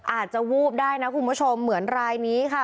อาจจะวูบได้นะคุณผู้ชมเหมือนรายนี้ค่ะ